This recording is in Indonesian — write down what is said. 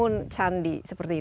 tapi itu bukan bunga batu batu itu